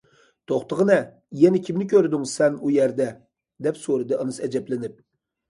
توختىغىنە، يەنە كىمنى كۆردۈڭ سەن ئۇ يەردە؟ دەپ سورىدى ئانىسى ئەجەبلىنىپ.